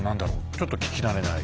ちょっと聞き慣れない。